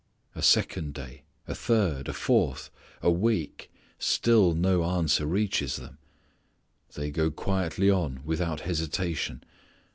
A second day, a third, a fourth, a week, still no answer reaches them. They go quietly on without hesitation.